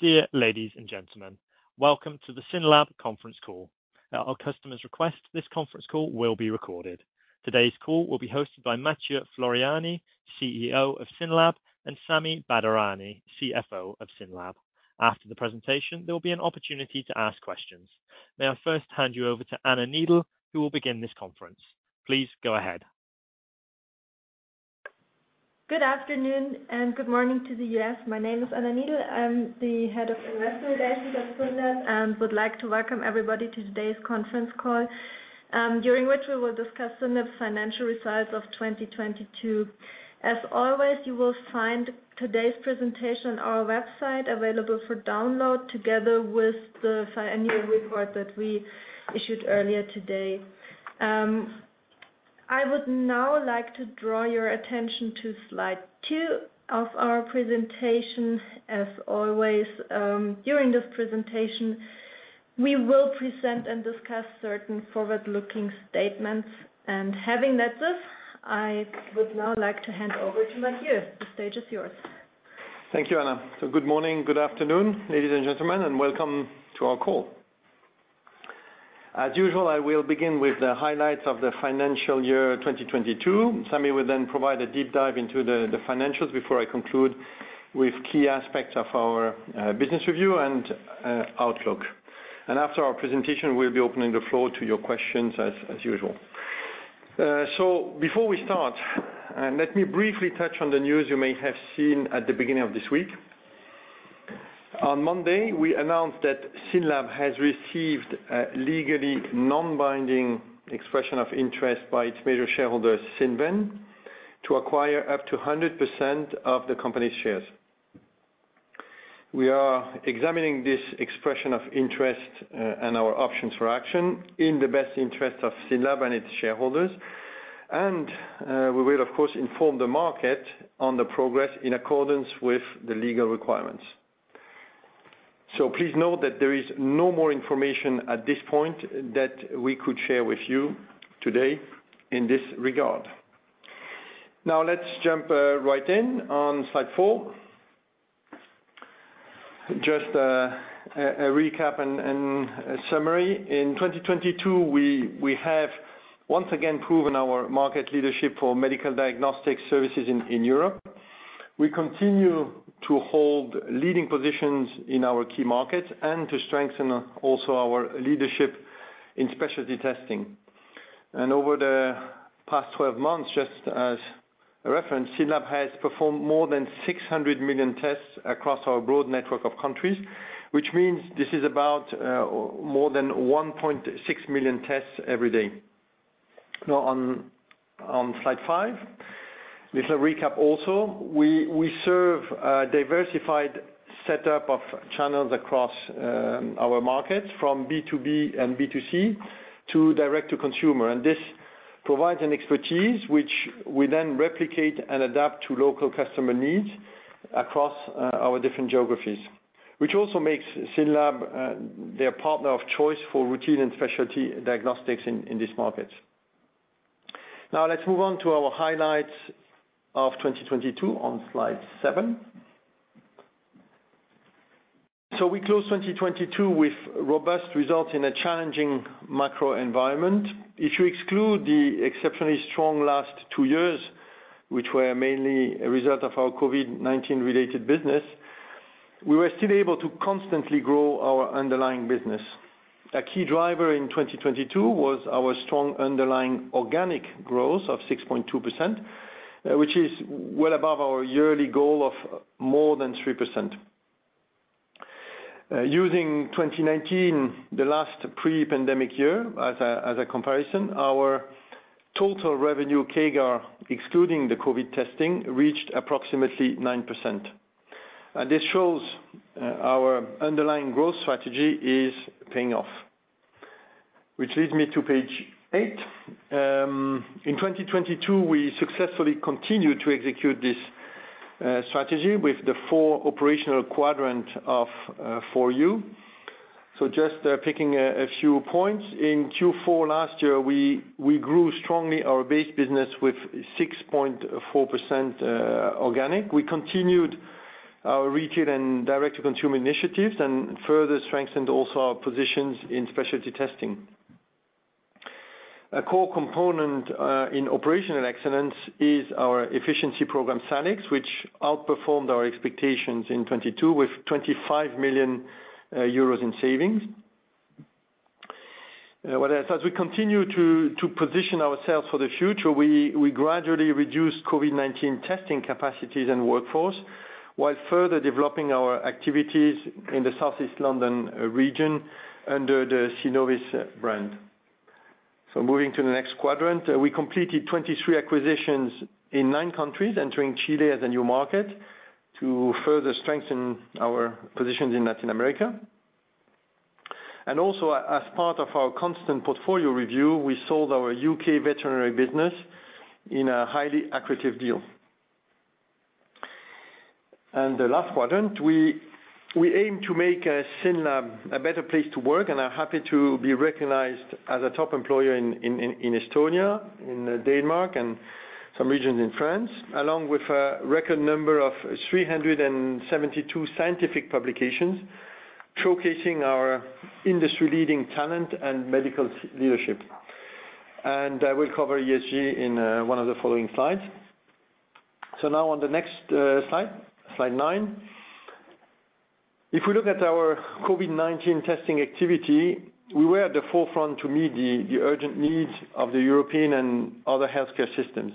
Dear ladies and gentlemen, welcome to the SYNLAB Conference Call. At our customer's request, this conference call will be recorded. Today's call will be hosted by Mathieu Floreani, CEO of SYNLAB, and Sami Badarani, CFO of SYNLAB. After the presentation, there will be an opportunity to ask questions. May I first hand you over to Anna Niedl, who will begin this conference. Please go ahead. Good afternoon and good morning to the U.S. My name is Anna Niedl. I'm the head of Investor Relations at SYNLAB, and would like to welcome everybody to today's conference call, during which we will discuss SYNLAB's financial results of 2022. As always, you will find today's presentation on our website available for download, together with the annual report that we issued earlier today. I would now like to draw your attention to slide two of our presentation. As always, during this presentation, we will present and discuss certain forward-looking statements. Having that said, I would now like to hand over to Mathieu. The stage is yours. Thank you, Anna. Good morning, good afternoon, ladies and gentlemen, and welcome to our call. As usual, I will begin with the highlights of the financial year 2022. Sami will then provide a deep dive into the financials before I conclude with key aspects of our business review and outlook. After our presentation, we'll be opening the floor to your questions as usual. Before we start, let me briefly touch on the news you may have seen at the beginning of this week. On Monday, we announced that SYNLAB has received a legally non-binding expression of interest by its major shareholder, Cinven, to acquire up to 100% of the company's shares. We are examining this expression of interest and our options for action in the best interest of SYNLAB and its shareholders. We will, of course, inform the market on the progress in accordance with the legal requirements. Please note that there is no more information at this point that we could share with you today in this regard. Let's jump right in on slide four. Just a recap and a summary. In 2022, we have once again proven our market leadership for medical diagnostic services in Europe. We continue to hold leading positions in our key markets and to strengthen also our leadership in specialty testing. Over the past 12 months, just as a reference, SYNLAB has performed more than 600 million tests across our broad network of countries, which means this is about more than 1.6 million tests every day. On slide five, little recap also. We serve a diversified setup of channels across our markets from B2B and B2C to direct to consumer. This provides an expertise which we then replicate and adapt to local customer needs across our different geographies, which also makes SYNLAB their partner of choice for routine and specialty diagnostics in this market. Let's move on to our highlights of 2022 on slide seven. We closed 2022 with robust results in a challenging macro environment. If you exclude the exceptionally strong last two years, which were mainly a result of our COVID-19 related business, we were still able to constantly grow our underlying business. A key driver in 2022 was our strong underlying organic growth of 6.2%, which is well above our yearly goal of more than 3%. Using 2019, the last pre-pandemic year as a comparison, our total revenue CAGR, excluding the COVID testing, reached approximately 9%. This shows our underlying growth strategy is paying off. Which leads me to page eight. In 2022, we successfully continued to execute this strategy with the four operational quadrant for you. Just picking a few points. In Q4 last year, we grew strongly our base business with 6.4% organic. We continued our retail and direct-to-consumer initiatives and further strengthened also our positions in specialty testing. A core component in operational excellence is our efficiency program, SALIX, which outperformed our expectations in 2022 with 25 million euros in savings. Whereas as we continue to position ourselves for the future, we gradually reduce COVID-19 testing capacities and workforce, while further developing our activities in the Southeast London region under the Synnovis brand. Moving to the next quadrant. We completed 23 acquisitions in nine countries, entering Chile as a new market to further strengthen our positions in Latin America. Also as part of our constant portfolio review, we sold our U.K. veterinary business in a highly accretive deal. The last quadrant, we aim to make SYNLAB a better place to work, and are happy to be recognized as a top employer in Estonia, in Denmark and some regions in France, along with a record number of 372 scientific publications showcasing our industry-leading talent and medical leadership. I will cover ESG in one of the following slides. Now on the next slide nine. If we look at our COVID-19 testing activity, we were at the forefront to meet the urgent needs of the European and other healthcare systems.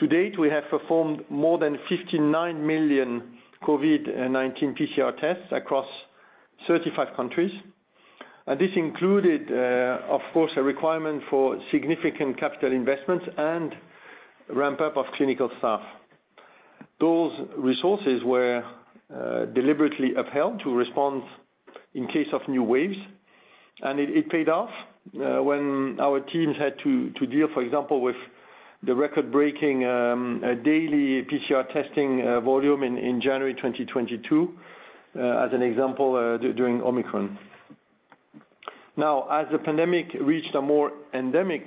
To date, we have performed more than 59 million COVID-19 PCR tests across 35 countries. This included, of course, a requirement for significant capital investments and ramp up of clinical staff. Those resources were deliberately upheld to respond in case of new waves, and it paid off when our teams had to deal, for example, with the record-breaking daily PCR testing volume in January 2022, as an example, during Omicron. As the pandemic reached a more endemic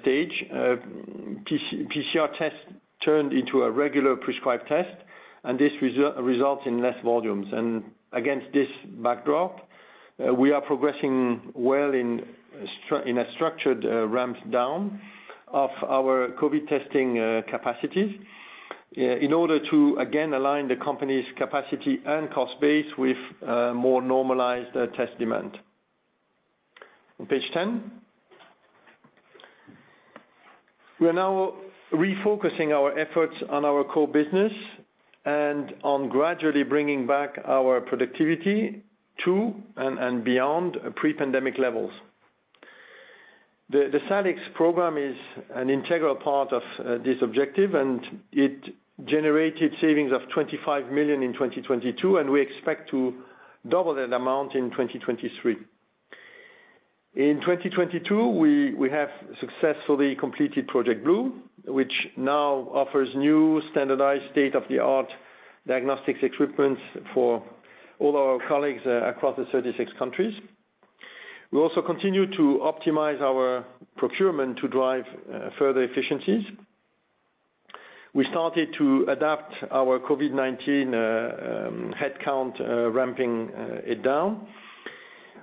stage, PCR test turned into a regular prescribed test, and this results in less volumes. Against this backdrop, we are progressing well in a structured ramp down of our COVID testing capacities in order to again align the company's capacity and cost base with more normalized test demand. On page 10. We are now refocusing our efforts on our core business and on gradually bringing back our productivity to and beyond pre-pandemic levels. The SALIX program is an integral part of this objective, and it generated savings of 25 million in 2022, and we expect to double that amount in 2023. In 2022, we have successfully completed Project BLUE, which now offers new standardized state-of-the-art diagnostics equipment for all our colleagues across the 36 countries. We also continue to optimize our procurement to drive further efficiencies. We started to adapt our COVID-19 headcount, ramping it down.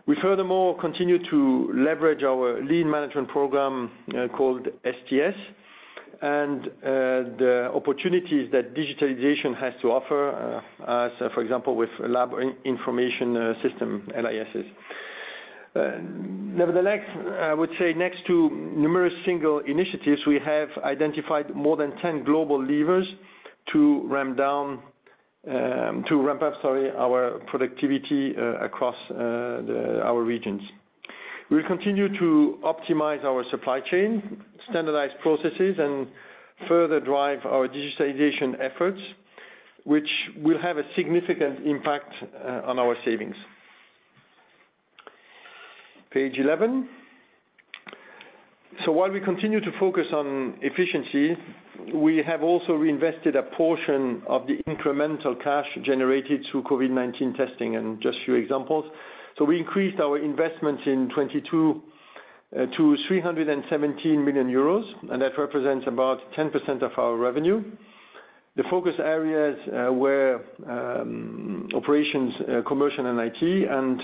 We furthermore continue to leverage our lean management program, called STS, and the opportunities that digitalization has to offer, as, for example, with lab information system, LISs. Nevertheless, I would say next to numerous single initiatives, we have identified more than 10 global levers to ramp up, sorry, our productivity across our regions. We'll continue to optimize our supply chain, standardized processes, and further drive our digitalization efforts, which will have a significant impact on our savings. Page 11. While we continue to focus on efficiency, we have also reinvested a portion of the incremental cash generated through COVID-19 testing. Just a few examples. We increased our investments in 2022 to 317 million euros, and that represents about 10% of our revenue. The focus areas were operations, commercial, and IT, and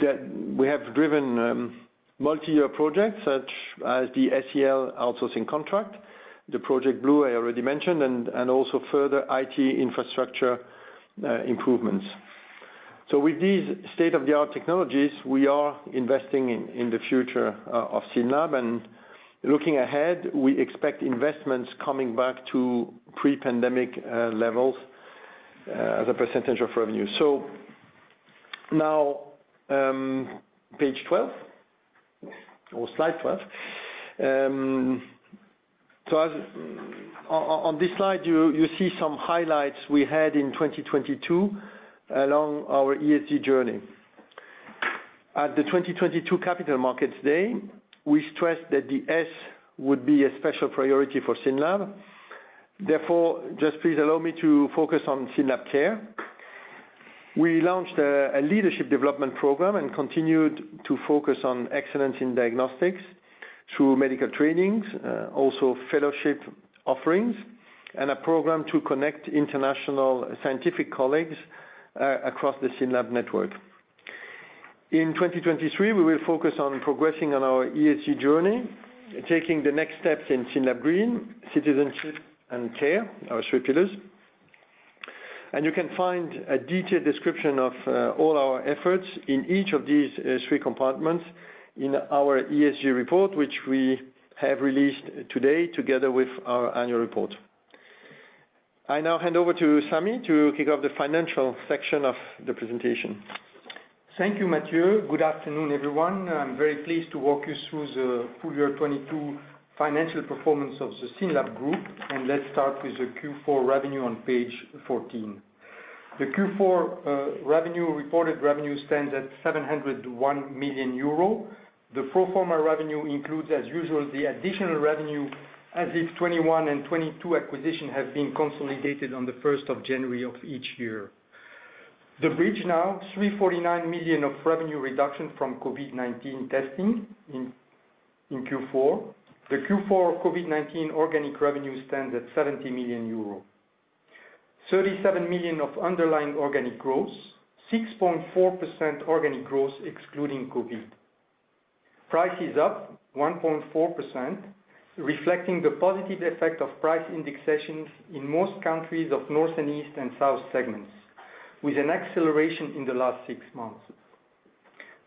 that we have driven multiyear projects such as the SEL outsourcing contract, the Project BLUE I already mentioned, and also further IT infrastructure improvements. With these state-of-the-art technologies, we are investing in the future of SYNLAB. Looking ahead, we expect investments coming back to pre-pandemic levels as a % of revenue. Now, page 12 or slide 12. On this slide, you see some highlights we had in 2022 along our ESG journey. At the 2022 capital markets day, we stressed that the S would be a special priority for SYNLAB. Therefore, just please allow me to focus on SYNLAB Care. We launched a leadership development program and continued to focus on excellence in diagnostics through medical trainings, also fellowship offerings, and a program to connect international scientific colleagues across the SYNLAB network. In 2023, we will focus on progressing on our ESG journey, taking the next steps in SYNLAB Green, Citizenship, and Care, our three pillars. You can find a detailed description of all our efforts in each of these three compartments in our ESG report, which we have released today together with our annual report. I now hand over to Sami to kick off the financial section of the presentation. Thank you, Mathieu. Good afternoon, everyone. I'm very pleased to walk you through the full year 2022 financial performance of the SYNLAB group. Let's start with the Q4 revenue on page 14. The Q4 revenue, reported revenue stands at 701 million euro. The pro forma revenue includes, as usual, the additional revenue as if 2021 and 2022 acquisition have been consolidated on the first of January of each year. The bridge now 349 million of revenue reduction from COVID-19 testing in Q4. The Q4 COVID-19 organic revenue stands at 70 million euro. 37 million of underlying organic growth. 6.4% organic growth excluding COVID. Price is up 1.4%, reflecting the positive effect of price indexations in most countries of North and East and South segments, with an acceleration in the last six months.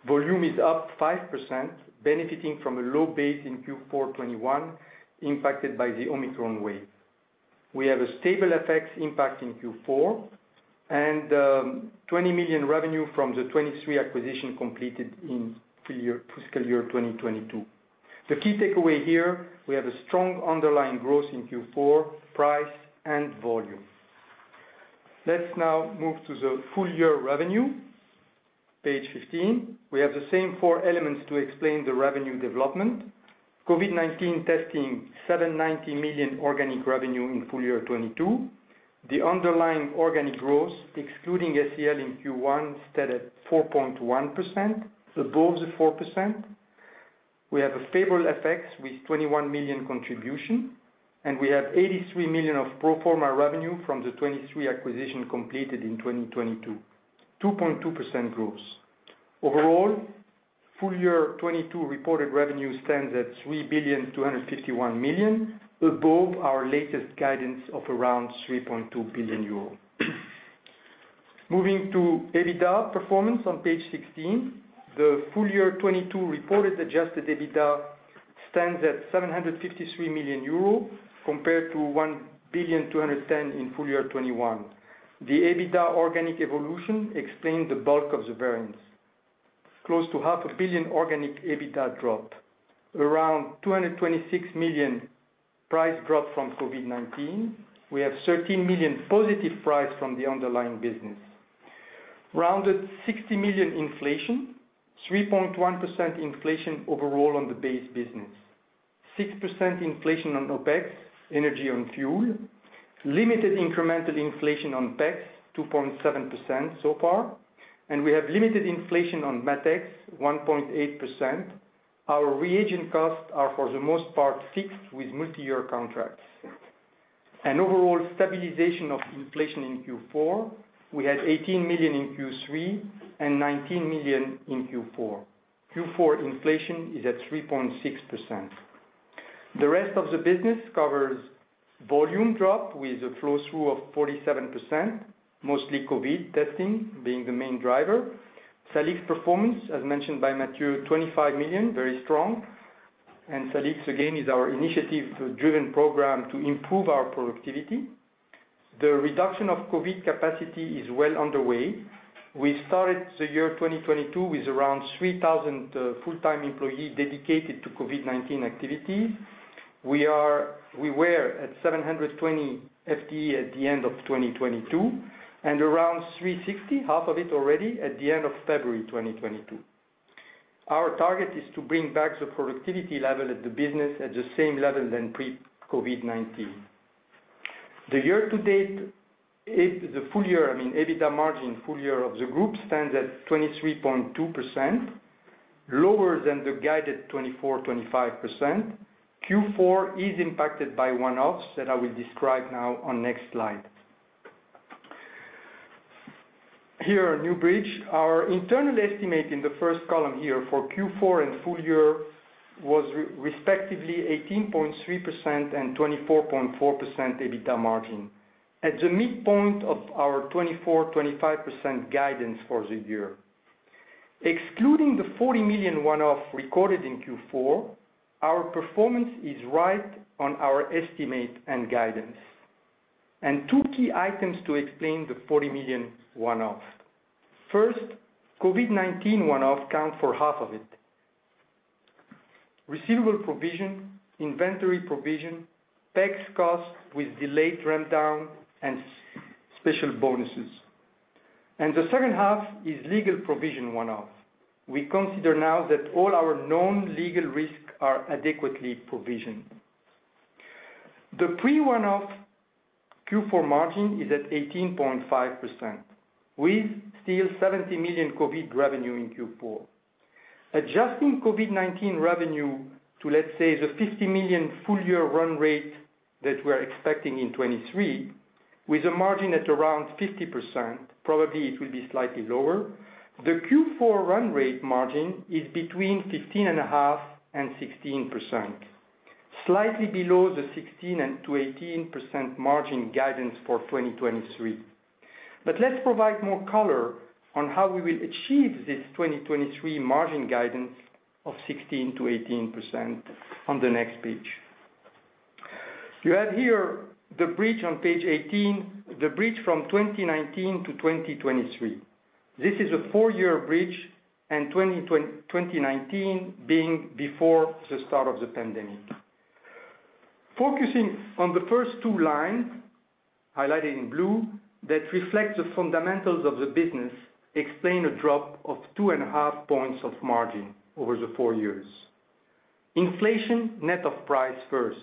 Volume is up 5%, benefiting from a low base in Q4 2021 impacted by the Omicron wave. We have a stable FX impact in Q4, and 20 million revenue from the 23 acquisition completed in fiscal year 2022. The key takeaway here, we have a strong underlying growth in Q4, price and volume. Let's now move to the full year revenue. Page 15. We have the same four elements to explain the revenue development. COVID-19 testing, 790 million organic revenue in full year 2022. The underlying organic growth, excluding SEL in Q1, stood at 4.1%, above the 4%. We have a stable FX with 21 million contribution, and we have 83 million of pro forma revenue from the 23 acquisition completed in 2022, 2.2% growth. Overall, full year 2022 reported revenue stands at 3.251 billion, above our latest guidance of around 3.2 billion euro. Moving to EBITDA performance on page 16. The full year 2022 reported adjusted EBITDA stands at 753 million euro compared to 1.210 billion in full year 2021. The EBITDA organic evolution explains the bulk of the variance. Close to EUR half a billion organic EBITDA drop. Around 226 million price drop from COVID-19. We have 13 million positive price from the underlying business. Rounded 60 million inflation, 3.1% inflation overall on the base business. 6% inflation on OpEx, energy and fuel. Limited incremental inflation on CapEx, 2.7% so far. We have limited inflation on MatEx, 1.8%. Our reagent costs are, for the most part, fixed with multi-year contracts. Overall stabilization of inflation in Q4, we had 18 million in Q3, and 19 million in Q4. Q4 inflation is at 3.6%. The rest of the business covers volume drop with a flow through of 47%, mostly COVID testing being the main driver. SALIX performance, as mentioned by Mathieu, 25 million, very strong. SALIX, again, is our initiative-driven program to improve our productivity. The reduction of COVID capacity is well underway. We started the year 2022 with around 3,000 full-time employees dedicated to COVID-19 activity. We were at 720 FTE at the end of 2022 and around 360, half of it already, at the end of February 2022. Our target is to bring back the productivity level of the business at the same level than pre-COVID-19. The year-to-date, the full year, I mean, EBITDA margin full year of the group stands at 23.2%, lower than the guided 24%-25%. Q4 is impacted by one-offs that I will describe now on next slide. Here, a new bridge. Our internal estimate in the first column here for Q4 and full year was respectively 18.3% and 24.4% EBITDA margin at the midpoint of our 24%-25% guidance for the year. Excluding the 40 million one-off recorded in Q4, our performance is right on our estimate and guidance. Two key items to explain the 40 million one-off. First, COVID-19 one-off account for half of it. Receivable provision, inventory provision, tax costs with delayed ramp down, special bonuses. The second half is legal provision one-off. We consider now that all our known legal risks are adequately provisioned. The pre-one-off Q4 margin is at 18.5%. We still 70 million COVID revenue in Q4. Adjusting COVID-19 revenue to, let's say, the 50 million full year run rate that we're expecting in 2023, with a margin at around 50%, probably it will be slightly lower. The Q4 run rate margin is between 15.5% and 16%, slightly below the 16%-18% margin guidance for 2023. Let's provide more color on how we will achieve this 2023 margin guidance of 16%-18% on the next page. You have here the bridge on page 18, the bridge from 2019 to 2023. This is a four-year bridge, 2019 being before the start of the pandemic. Focusing on the first two lines, highlighted in blue, that reflect the fundamentals of the business, explain a drop of 2.5 points of margin over the four years. Inflation net of price first.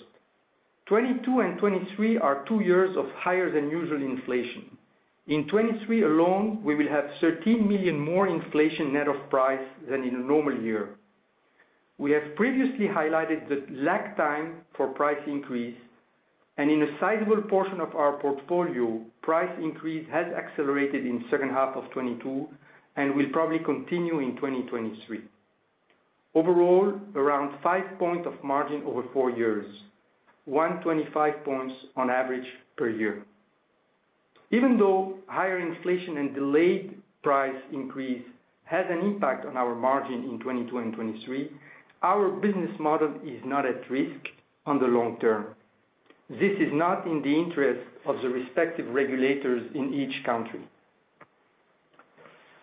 2022 and 2023 are two years of higher than usual inflation. In 2023 alone, we will have 13 million more inflation net of price than in a normal year. We have previously highlighted the lag time for price increase, in a sizable portion of our portfolio, price increase has accelerated in second half of 2022 and will probably continue in 2023. Overall, around 5 points of margin over four years, 1.25 points on average per year. Even though higher inflation and delayed price increase has an impact on our margin in 2022 and 2023, our business model is not at risk on the long term. This is not in the interest of the respective regulators in each country.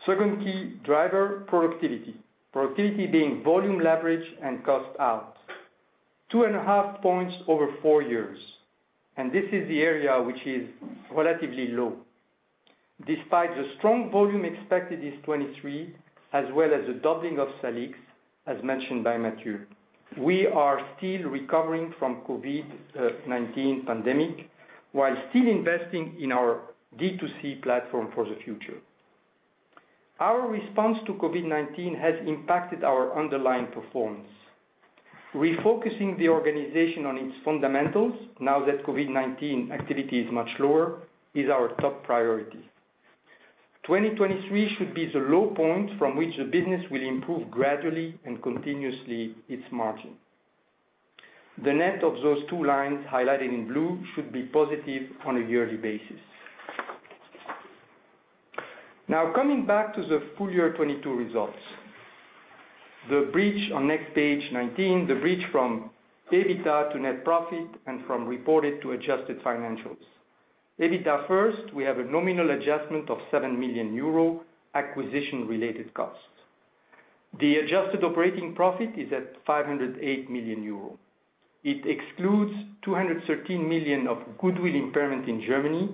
Second key driver, productivity. Productivity being volume leverage and cost out. 2.5 points over four years, and this is the area which is relatively low. Despite the strong volume expected in 2023, as well as the doubling of SALIX, as mentioned by Mathieu, we are still recovering from COVID-19 pandemic while still investing in our D2C platform for the future. Our response to COVID-19 has impacted our underlying performance. Refocusing the organization on its fundamentals now that COVID-19 activity is much lower is our top priority. 2023 should be the low point from which the business will improve gradually and continuously its margin. The net of those two lines highlighted in blue should be positive on a yearly basis. Coming back to the full year 2022 results. The bridge on next page 19, the bridge from EBITDA to net profit and from reported to adjusted financials. EBITDA first, we have a nominal adjustment of 7 million euro acquisition-related costs. The adjusted operating profit is at 508 million euro. It excludes 213 million of goodwill impairment in Germany.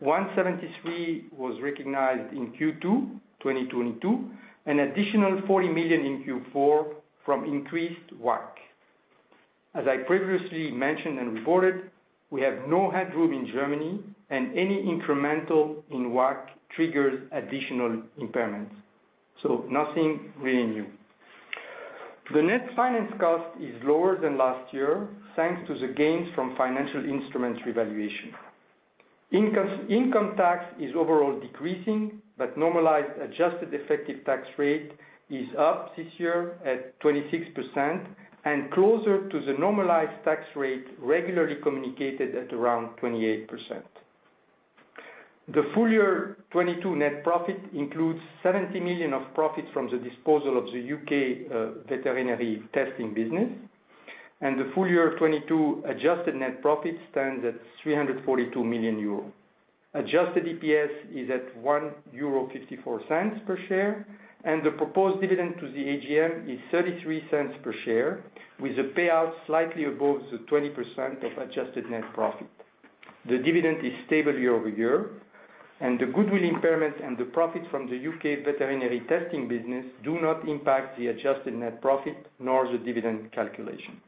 173 million was recognized in Q2 2022, an additional 40 million in Q4 from increased WACC. As I previously mentioned and reported, we have no headroom in Germany and any incremental in WACC triggers additional impairments. Nothing really new. The net finance cost is lower than last year, thanks to the gains from financial instruments revaluation. Income tax is overall decreasing, but normalized adjusted effective tax rate is up this year at 26% and closer to the normalized tax rate regularly communicated at around 28%. The full year 2022 net profit includes 70 million of profit from the disposal of the U.K., veterinary testing business, and the full year 2022 adjusted net profit stands at 342 million euro. Adjusted EPS is at 1.54 euro per share, and the proposed dividend to the AGM is 0.33 per share, with the payout slightly above the 20% of adjusted net profit. The dividend is stable year-over-year, and the goodwill impairment and the profit from the U.K. veterinary testing business do not impact the adjusted net profit nor the dividend calculation.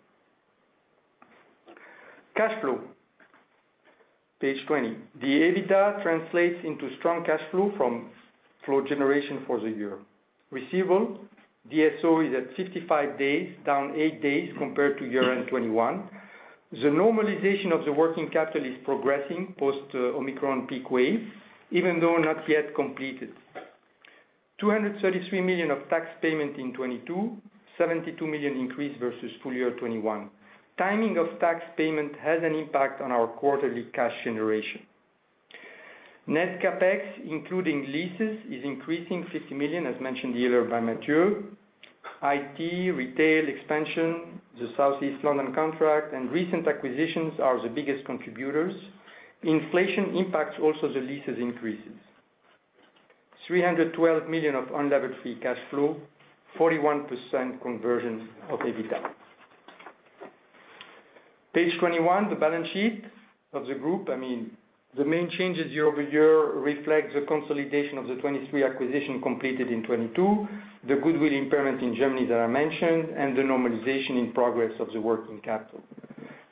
Cash flow, page 20. The EBITDA translates into strong cash flow from flow generation for the year. Receivable, DSO is at 55 days, down eight days compared to year-end 2021. The normalization of the working capital is progressing post Omicron peak wave, even though not yet completed. 233 million of tax payment in 2022, 72 million increase versus full year 2021. Timing of tax payment has an impact on our quarterly cash generation. Net CapEx, including leases, is increasing 50 million, as mentioned earlier by Mathieu. IT, retail expansion, the South East London contract, and recent acquisitions are the biggest contributors. Inflation impacts also the leases increases. 312 million of unlevered free cash flow, 41% conversion of EBITDA. Page 21, the balance sheet of the group, I mean. The main changes year-over-year reflect the consolidation of the 23 acquisition completed in 2022, the goodwill impairment in Germany that I mentioned, and the normalization in progress of the working capital.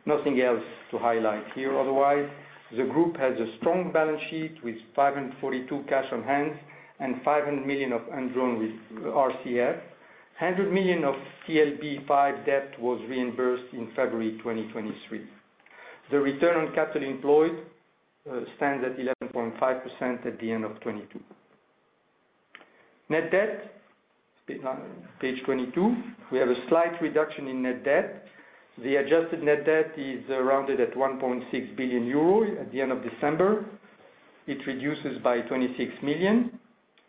Nothing else to highlight here otherwise. The group has a strong balance sheet with 542 cash on hand and 500 million of undrawn with RCF. 100 million of TLB debt was reimbursed in February 2023. The return on capital employed stands at 11.5% at the end of 2022. Net debt, page 22, we have a slight reduction in net debt. The adjusted net debt is rounded at 1.6 billion euro at the end of December. It reduces by 26 million.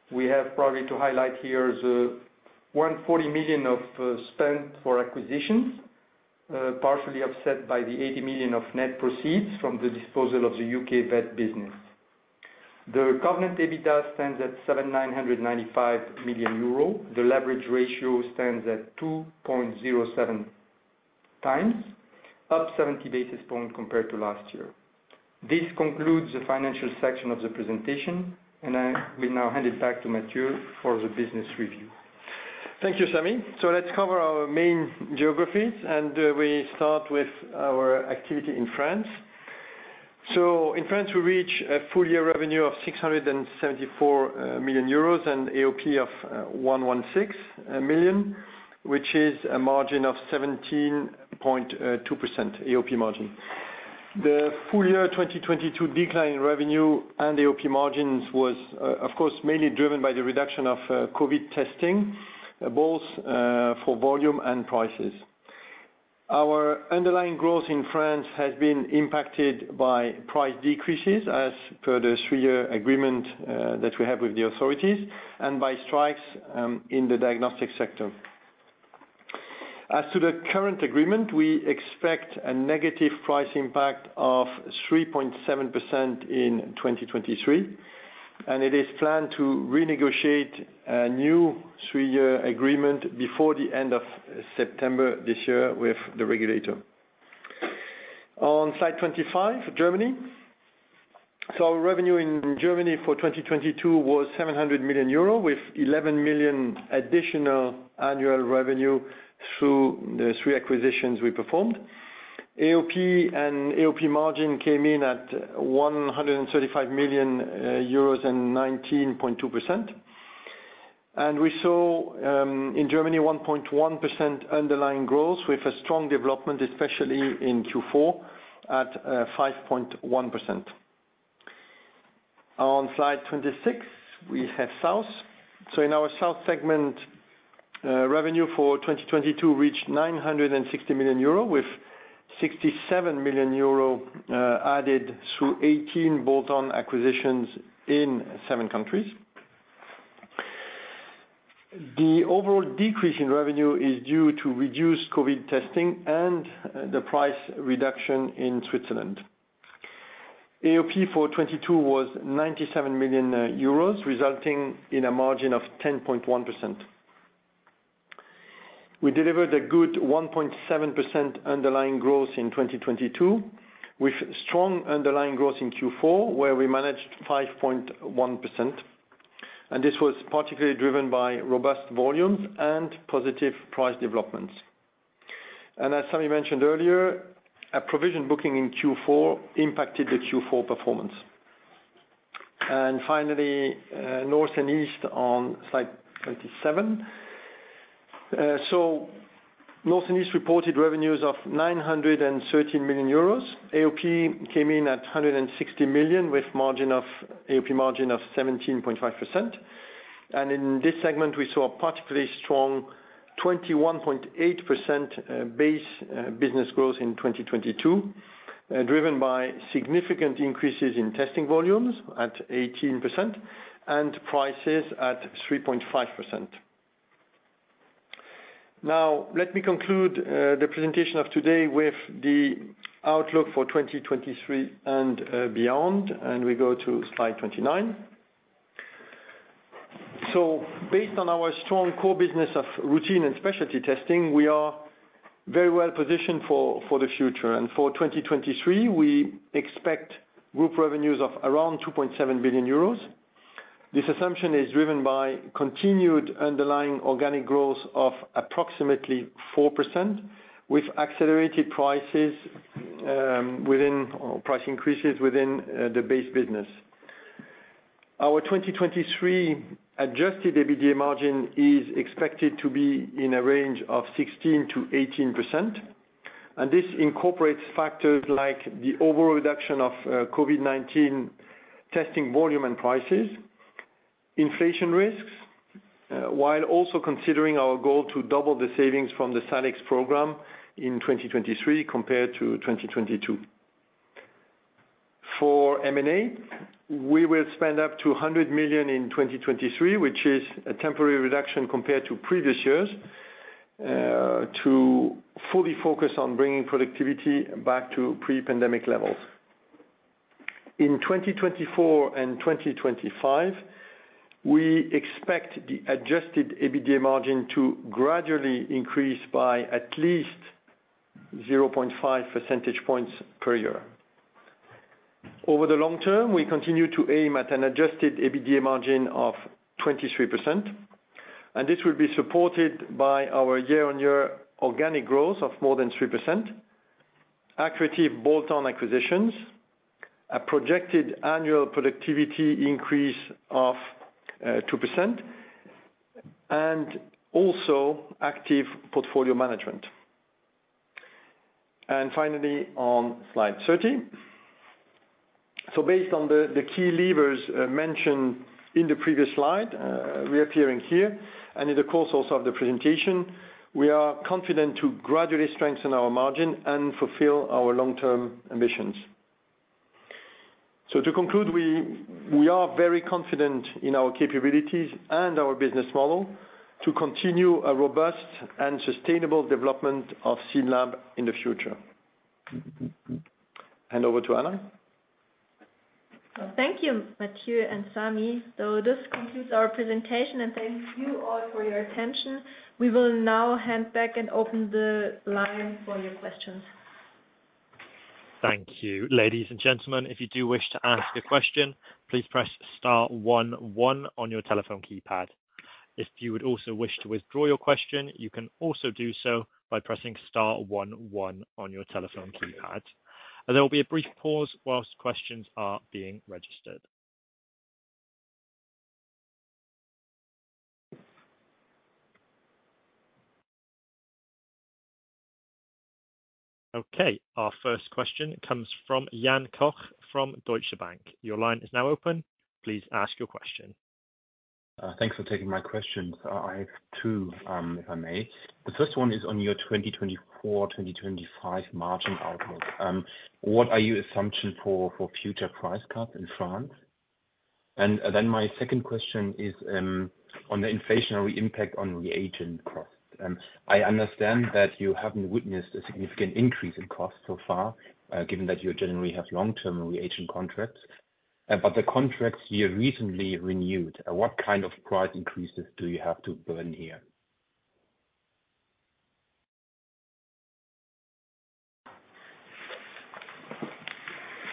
We have probably to highlight here the 140 million of spend for acquisitions, partially offset by the 80 million of net proceeds from the disposal of the U.K. vet business. The covenant EBITDA stands at 795 million euros. The leverage ratio stands at 2.07x, up 70 basis points compared to last year. This concludes the financial section of the presentation, and I will now hand it back to Mathieu for the business review. Thank you, Sammy. Let's cover our main geographies, and we start with our activity in France. In France, we reach a full year revenue of 674 million euros and AOP of 116 million, which is a margin of 17.2% AOP margin. The full year 2022 decline in revenue and AOP margins was, of course, mainly driven by the reduction of COVID testing, both for volume and prices. Our underlying growth in France has been impacted by price decreases as per the three-year agreement that we have with the authorities and by strikes in the diagnostic sector. As to the current agreement, we expect a negative price impact of 3.7% in 2023. It is planned to renegotiate a new three-year agreement before the end of September this year with the regulator. On slide 25, Germany. Our revenue in Germany for 2022 was 700 million euro with 11 million additional annual revenue through the three acquisitions we performed. AOP and AOP margin came in at 135 million euros and 19.2%. We saw in Germany 1.1% underlying growth with a strong development, especially in Q4 at 5.1%. On slide 26, we have South. In our South segment, revenue for 2022 reached 960 million euro with 67 million euro added through 18 bolt-on acquisitions in seven countries. The overall decrease in revenue is due to reduced COVID testing and the price reduction in Switzerland. AOP for 2022 was 97 million euros, resulting in a margin of 10.1%. We delivered a good 1.7% underlying growth in 2022, with strong underlying growth in Q4, where we managed 5.1%. This was particularly driven by robust volumes and positive price developments. As Sami mentioned earlier, a provision booking in Q4 impacted the Q4 performance. Finally, North and East on slide 27. North and East reported revenues of 913 million euros. AOP came in at 160 million with AOP margin of 17.5%. In this segment, we saw a particularly strong 21.8% base business growth in 2022, driven by significant increases in testing volumes at 18% and prices at 3.5%. Now, let me conclude the presentation of today with the outlook for 2023 and beyond. We go to slide 29. Based on our strong core business of routine and specialty testing, we are very well positioned for the future. For 2023, we expect group revenues of around 2.7 billion euros. This assumption is driven by continued underlying organic growth of approximately 4%, with accelerated prices or price increases within the base business. Our 2023 adjusted EBITDA margin is expected to be in a range of 16%-18%. This incorporates factors like the overall reduction of COVID-19 testing volume and prices, inflation risks, while also considering our goal to double the savings from the SALIX program in 2023 compared to 2022. For M&A, we will spend up to 100 million in 2023, which is a temporary reduction compared to previous years, to fully focus on bringing productivity back to pre-pandemic levels. In 2024 and 2025, we expect the adjusted EBITDA margin to gradually increase by at least 0.5 percentage points per year. Over the long term, we continue to aim at an adjusted EBITDA margin of 23%, and this will be supported by our year-on-year organic growth of more than 3%, accretive bolt-on acquisitions, a projected annual productivity increase of 2%, and also active portfolio management. Finally, on slide 30. Based on the key levers mentioned in the previous slide, reappearing here and in the course also of the presentation, we are confident to gradually strengthen our margin and fulfill our long-term ambitions. To conclude, we are very confident in our capabilities and our business model to continue a robust and sustainable development of SYNLAB in the future. Hand over to Anna. Thank you, Mathieu and Sami. This concludes our presentation, and thank you all for your attention. We will now hand back and open the line for your questions. Thank you. Ladies and gentlemen, if you do wish to ask a question, please press star one one on your telephone keypad. If you would also wish to withdraw your question, you can also do so by pressing star one one on your telephone keypad. There will be a brief pause while questions are being registered. Okay, our first question comes from Jan Koch from Deutsche Bank. Your line is now open. Please ask your question. Thanks for taking my question. I have two, if I may. The first one is on your 2024/2025 margin outlook. What are your assumptions for future price cuts in France? My second question is on the inflationary impact on reagent cost. I understand that you haven't witnessed a significant increase in cost so far, given that you generally have long-term reagent contracts. The contracts you recently renewed, what kind of price increases do you have to burn here?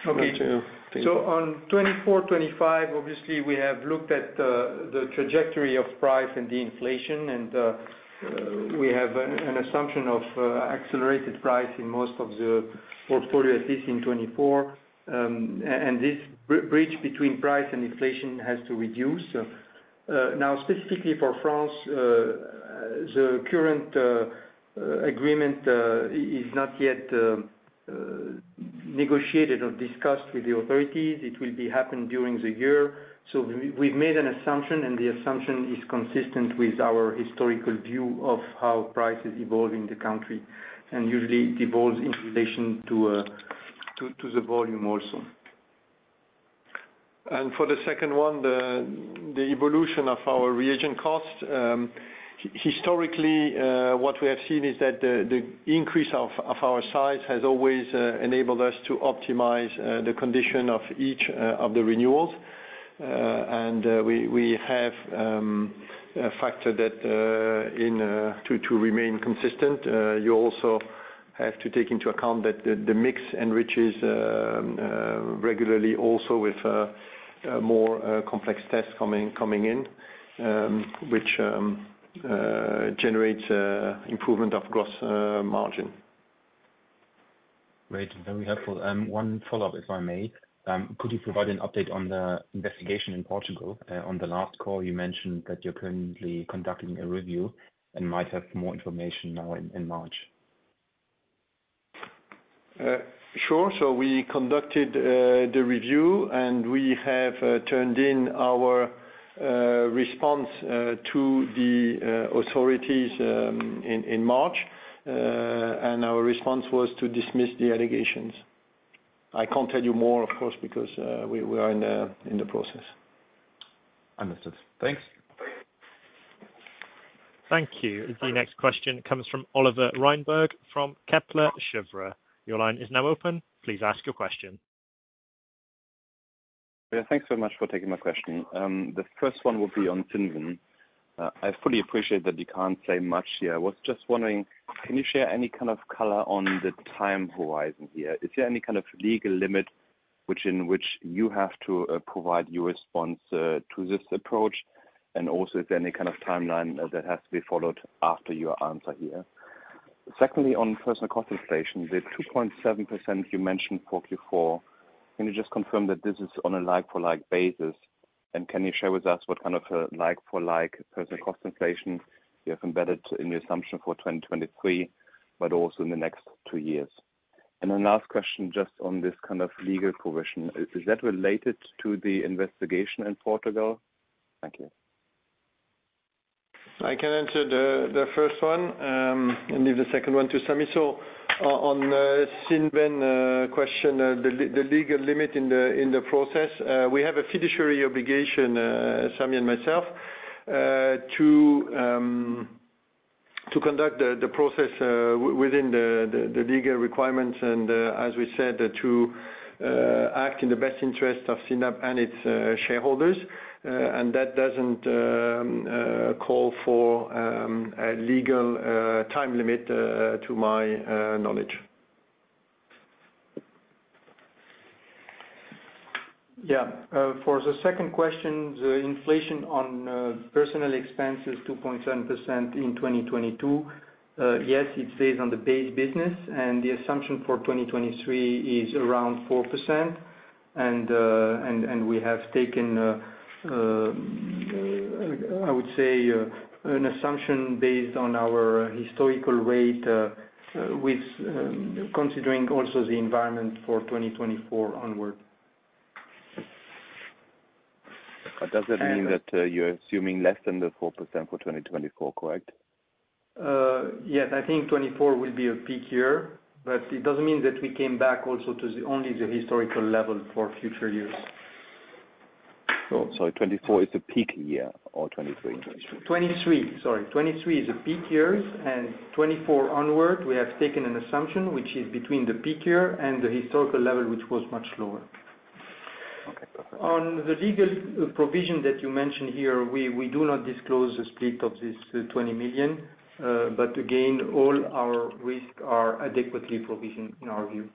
On 2024/2025, obviously we have looked at the trajectory of price and the inflation, and we have an assumption of accelerated price in most of the portfolio, at least in 2024. This bridge between price and inflation has to reduce. Specifically for France, the current agreement is not yet negotiated or discussed with the authorities. It will be happened during the year. We've made an assumption, and the assumption is consistent with our historical view of how prices evolve in the country, and usually it evolves in relation to the volume also. For the second one, the evolution of our reagent costs. Historically, what we have seen is that the increase of our size has always enabled us to optimize the condition of each of the renewals. And we have a factor that in to remain consistent. You also have to take into account that the mix enriches regularly also with more complex tests coming in, which generates a improvement of gross margin. Great. Very helpful. One follow-up, if I may. Could you provide an update on the investigation in Portugal? On the last call you mentioned that you're currently conducting a review and might have more information now in March. Sure. We conducted the review, and we have turned in our response to the authorities in March. Our response was to dismiss the allegations. I can't tell you more, of course, because we are in the process. Understood. Thanks. Thank you. The next question comes from Oliver Reinberg from Kepler Cheuvreux. Your line is now open. Please ask your question. Yeah. Thanks so much for taking my question. The first one will be on Cinven. I fully appreciate that you can't say much here. I was just wondering, can you share any kind of color on the time horizon here? Is there any kind of legal limit which, in which you have to provide your response to this approach? Is there any kind of timeline that has to be followed after your answer here? Secondly, on personal cost inflation, the 2.7% you mentioned for Q4, can you just confirm that this is on a like for like basis? Can you share with us what kind of a like for like personal cost inflation you have embedded in the assumption for 2023, but also in the next two years? Last question, just on this kind of legal provision. Is that related to the investigation in Portugal? Thank you. I can answer the first one, and leave the second one to Sami. On Cinven question, the legal limit in the process. We have a fiduciary obligation, Sami and myself, to conduct the process within the legal requirements, and as we said, to act in the best interest of SYNLAB and its shareholders. That doesn't call for a legal time limit to my knowledge. Yeah. For the second question, the inflation on personal expense is 2.7% in 2022. Yes, it stays on the base business, and the assumption for 2023 is around 4%. We have taken I would say an assumption based on our historical rate with considering also the environment for 2024 onward. Does it mean that you're assuming less than the 4% for 2024, correct? Yes. I think 24 will be a peak year, but it doesn't mean that we came back also to the only the historical level for future years. 2024 is the peak year or 2023? 2023, sorry. 2023 is the peak years and 2024 onward, we have taken an assumption which is between the peak year and the historical level, which was much lower. Okay, perfect. On the legal provision that you mentioned here, we do not disclose the split of this 20 million. Again, all our risk are adequately provisioned in our view.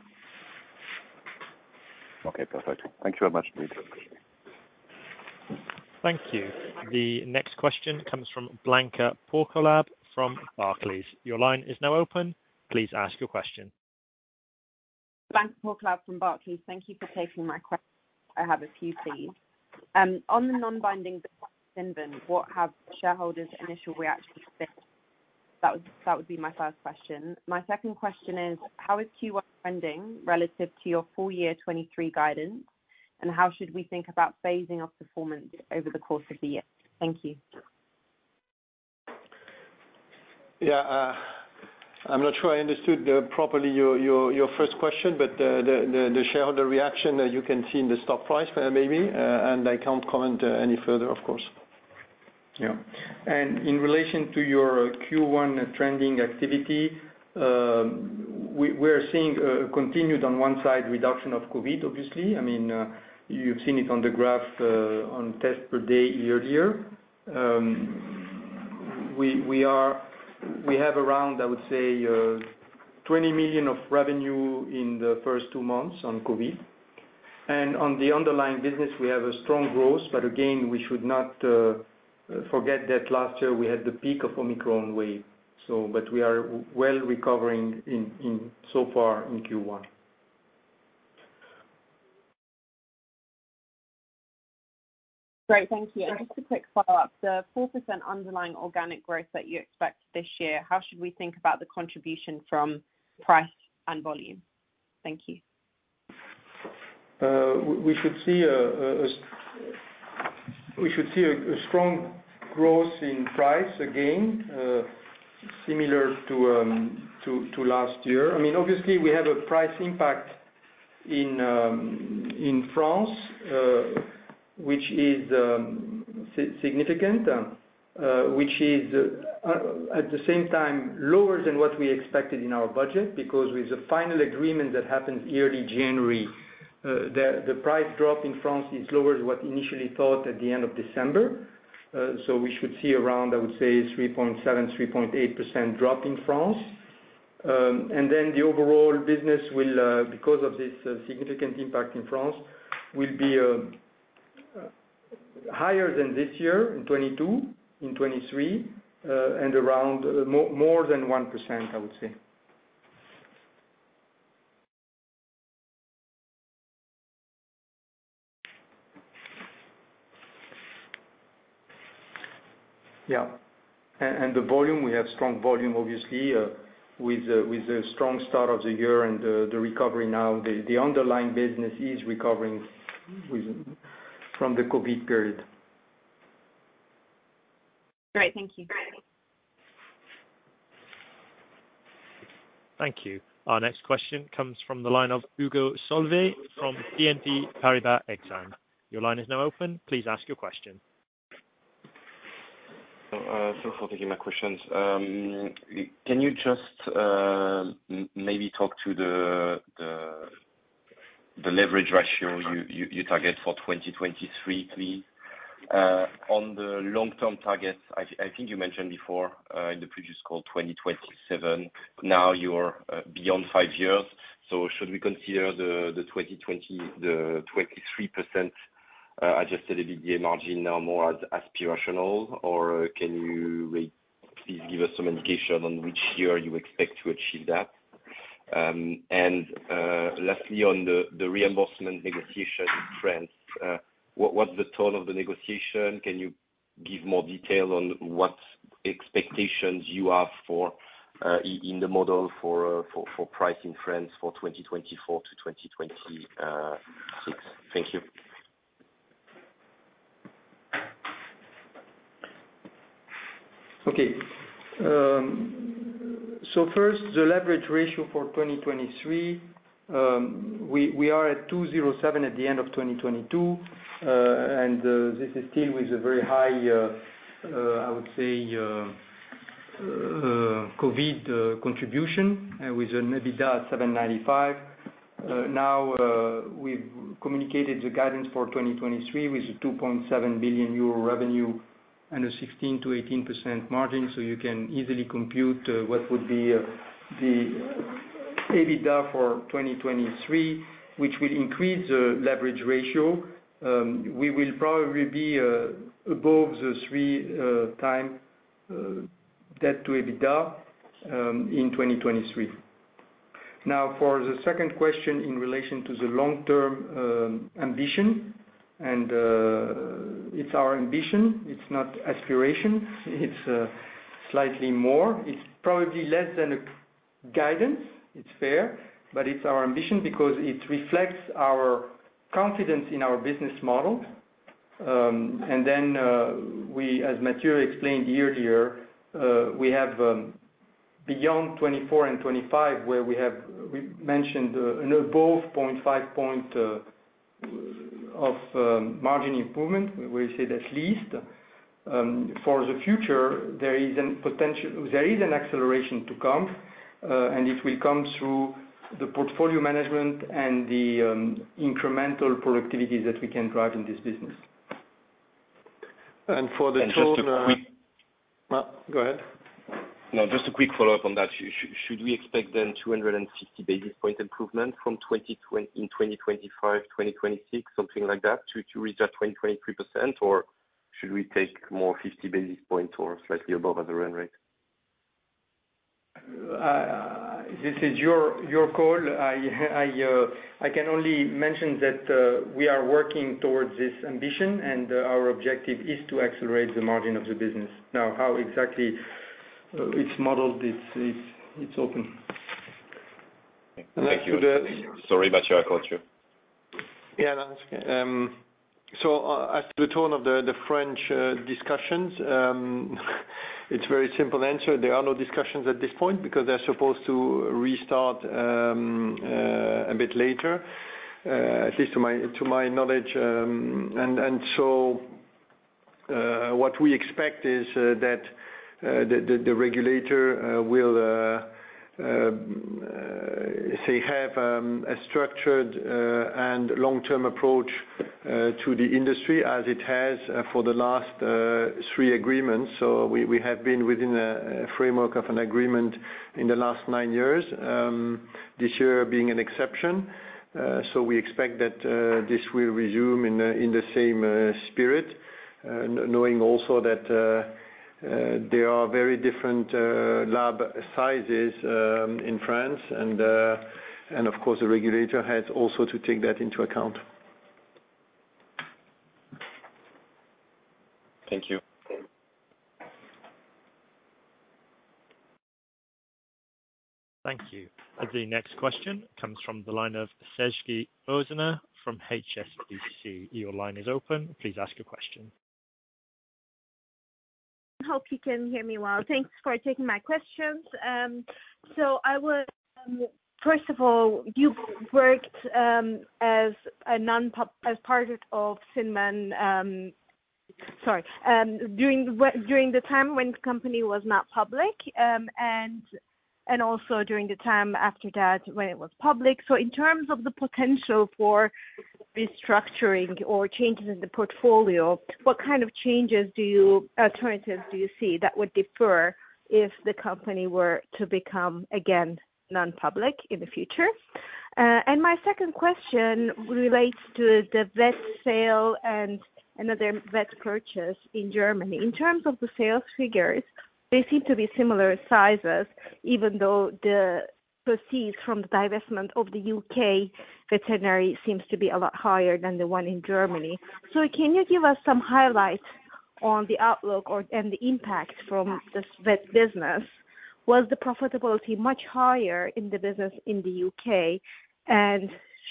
Okay, perfect. Thank you very much. Thank you. The next question comes from Blanka Porkolab from Barclays. Your line is now open. Please ask your question. Blanka Porkolab from Barclays. Thank you for taking my que--. I have a few, please. On the non-binding what have shareholders initial reaction been? That would be my first question. My second question is, how is Q1 trending relative to your full year 2023 guidance, and how should we think about phasing of performance over the course of the year? Thank you. Yeah. I'm not sure I understood properly your, your first question, but the shareholder reaction that you can see in the stock price maybe, and I can't comment any further, of course. In relation to your Q1 trending activity, we're seeing continued on one side reduction of COVID, obviously. I mean, you've seen it on the graph on test per day year-to-year. We have around, I would say, 20 million of revenue in the first two months on COVID. On the underlying business, we have a strong growth. Again, we should not forget that last year we had the peak of Omicron wave. But we are well recovering in so far in Q1. Great. Thank you. Just a quick follow-up. The 4% underlying organic growth that you expect this year, how should we think about the contribution from price and volume? Thank you. We should see a strong growth in price again, similar to last year. I mean obviously, we have a price impact in France, which is significant, which is at the same time lower than what we expected in our budget, because with the final agreement that happened early January, the price drop in France is lower than what initially thought at the end of December. We should see around, I would say, 3.7%-3.8% drop in France. The overall business will, because of this significant impact in France, will be higher than this year in 2022, in 2023, and around more than 1%, I would say. The volume, we have strong volume, obviously, with the strong start of the year and the recovery now. The underlying business is recovering from the COVID period. Great. Thank you. Thank you. Our next question comes from the line of Hugo Solvet from BNP Paribas Exane. Your line is now open. Please ask your question. Thanks for taking my questions. Can you just maybe talk to the leverage ratio you target for 2023 please? On the long-term targets, I think you mentioned before in the previous call, 2027. Now you're beyond five years. Should we consider the 23% adjusted EBITDA margin now more as aspirational, or can you please give us some indication on which year you expect to achieve that? Lastly, on the reimbursement negotiation in France, what's the toll of the negotiation? Can you give more detail on what expectations you have for in the model for price in France for 2024 to 2026? Thank you. Okay. First, the leverage ratio for 2023, we are at 2.07 at the end of 2022. This is still with a very high COVID contribution with an EBITDA 795. We've communicated the guidance for 2023 with a 2.7 billion euro revenue and a 16%-18% margin, you can easily compute what would be the EBITDA for 2023, which will increase the leverage ratio. We will probably be above the 3x debt to EBITDA in 2023. For the second question in relation to the long-term ambition, it's our ambition, it's not aspiration. It's slightly more. It's probably less than a guidance. It's fair, but it's our ambition because it reflects our confidence in our business model. We, as Mathieu explained year to year, we have. Beyond 2024 and 2025, where we mentioned above 0.5 point of margin improvement, we said at least. For the future, there is an acceleration to come, and it will come through the portfolio management and the incremental productivity that we can drive in this business. For the total- just a quick. Well, go ahead. Just a quick follow-up on that. Should we expect then 250 basis point improvement in 2025, 2026, something like that to reach that 23%? Should we take more 50 basis points or slightly above at the run rate? This is your call. I can only mention that we are working towards this ambition and our objective is to accelerate the margin of the business. How exactly it's modeled, it's open. Thank you. Thank you. Sorry, Mathieu, I cut you. Yeah, that's okay. As to the tone of the French discussions, it's very simple answer. There are no discussions at this point because they're supposed to restart a bit later, at least to my knowledge. What we expect is that the regulator will say, have a structured and long-term approach to the industry as it has for the last three agreements. We have been within a framework of an agreement in the last nine years, this year being an exception. We expect that this will resume in the same spirit knowing also that there are very different lab sizes in France, and of course, the regulator has also to take that into account. Thank you. Thank you. Thank you. The next question comes from the line of Sezgi Oezuener from HSBC. Your line is open. Please ask your question. Hope you can hear me well. Thanks for taking my questions. First of all, you worked as part of Cinven. During the time when the company was not public, and also during the time after that when it was public. In terms of the potential for restructuring or changes in the portfolio, what kind of alternatives do you see that would differ if the company were to become again non-public in the future? My second question relates to the vet sale and another vet purchase in Germany. In terms of the sales figures, they seem to be similar sizes, even though the proceeds from the divestment of the U.K. veterinary seems to be a lot higher than the one in Germany. Can you give us some highlights on the outlook or, and the impact from this vet business? Was the profitability much higher in the business in the U.K.?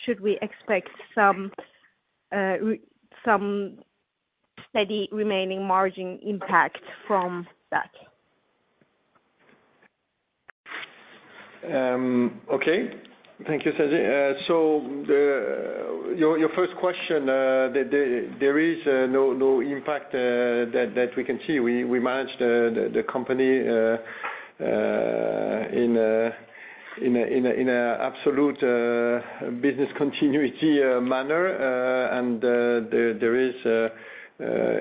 Should we expect some steady remaining margin impact from that? Okay. Thank you, Sezgi. Your first question, there is no impact that we can see. We manage the company in a absolute business continuity manner. There is